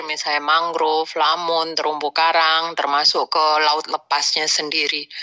misalnya mangrove lamun terumbu karang termasuk ke laut lepasnya sendiri